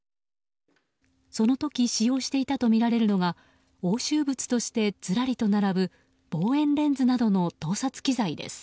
その時使用していたとみられるのが押収物としてずらりと並ぶ望遠レンズなどの盗撮機材です。